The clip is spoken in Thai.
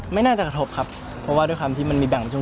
ไม่น่าจะกระทบครับเพราะว่าด้วยความที่มันมีแบ่งเป็นช่วง